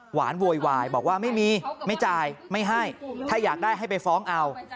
โวยวายบอกว่าไม่มีไม่จ่ายไม่ให้ถ้าอยากได้ให้ไปฟ้องเอา